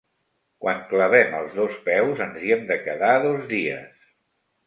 Quan clavem els dos peus ens hi hem de quedar dos dies.